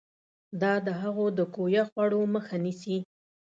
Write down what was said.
دا د هغو د کویه خوړو مخه نیسي.